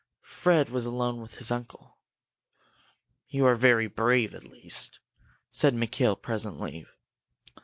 Fred was alone with his uncle. "You are brave, at least," said Mikail, presently.